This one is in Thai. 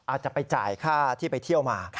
อาจจะไปจ่ายค่าที่ไปเที่ยวมา